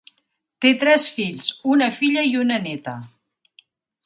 Té tres fills, una filla i una néta.